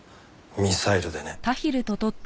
ミサイルでね。